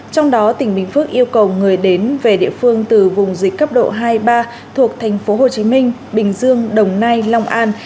trong đó tỉnh bình phước yêu cầu người đến về địa phương từ vùng dịch cấp độ hai ba thuộc thành phố hồ chí minh bình dương đồng nai long an